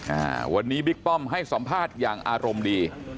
อ่าวันนี้บิ๊กป้อมให้สัมภาษณ์อย่างอารมณ์ดี